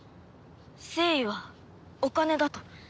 誠意はお金だと。